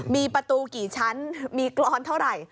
มีประตูกี่ชั้นมีกรอนเท่าไหร่